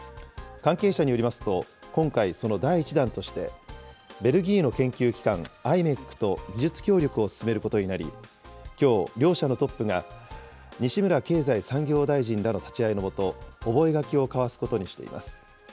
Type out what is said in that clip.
関係者によりますと、今回、その第一弾として、ベルギーの研究機関、ｉｍｅｃと技術協力を進めることになり、きょう、両者のトップが西村経済産業大臣らの立ち会いのもと、覚書を交わすことにしています。